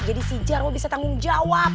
si jarwo bisa tanggung jawab